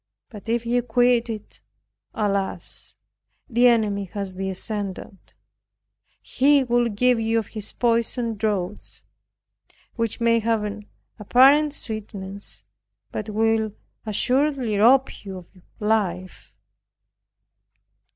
But if ye quit it, alas! the enemy has the ascendant. He will give you of his poisoned draughts, which may have an apparent sweetness, but will assuredly rob you of life.